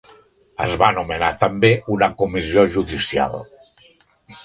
Es va nomenar també una Comissió Judicial.